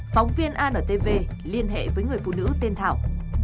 phóng viên antv liên hệ với người phụ nữ tên thảo